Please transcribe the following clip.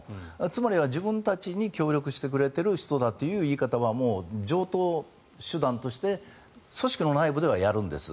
つまりは自分たちに協力してくれている人だっていう言い方はもう常とう手段として組織の内部ではやるんです。